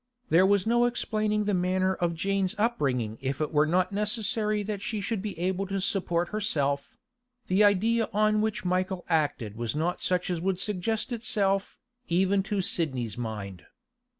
There was no explaining the manner of Jane's bringing up if it were not necessary that she should be able to support herself; the idea on which Michael acted was not such as would suggest itself, even to Sidney's mind.